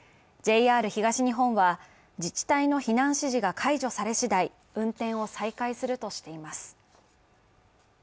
ＪＲ東日本は、自治体の避難指示が解除され次第、運転を再開するとしています。